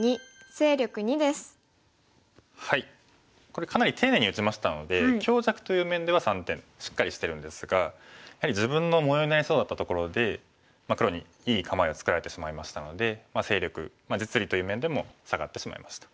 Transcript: これかなり丁寧に打ちましたので強弱という面では３点しっかりしてるんですがやはり自分の模様になりそうだったところで黒にいい構えを作られてしまいましたので勢力実利という面でも下がってしまいました。